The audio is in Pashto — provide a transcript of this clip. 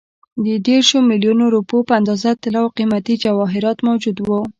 د دېرشو میلیونو روپیو په اندازه طلا او قیمتي جواهرات موجود وو.